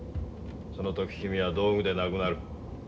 その時君は道具でなくなる。